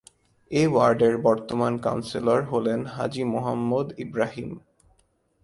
এ ওয়ার্ডের বর্তমান কাউন্সিলর হলেন হাজী মোহাম্মদ ইবরাহীম।